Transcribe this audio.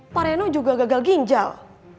pak reno juga gagal ginjal